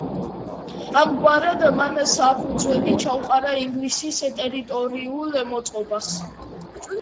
ამგვარად მან საფუძველი ჩაუყარა ინგლისის ტერიტორიულ მოწყობას.